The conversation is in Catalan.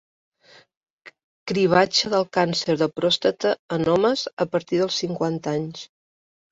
Cribratge del càncer de pròstata en homes a partir dels cinquanta anys.